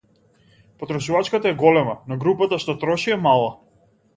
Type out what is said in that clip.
Потрошувачката е голема, но групата што троши е мала.